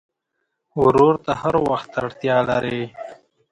ورور ته هر وخت اړتیا لرې.